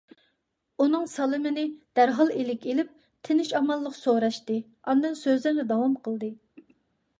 ئۇنىڭ سالىمىنى دەرھال ئىلىك ئېلىپ، تىنچ - ئامانلىق سوراشتى، ئاندىن سۆزىنى داۋام قىلدى: